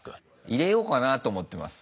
入れようかなと思ってます。